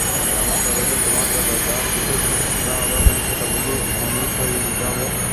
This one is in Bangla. আমার দাদাকে তোমার দাদা যা-কিছু ঠাওরাবেন সেটা বুঝি অমনি সয়ে যেতে হবে!